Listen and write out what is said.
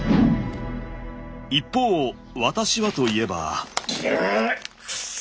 一方私はといえば。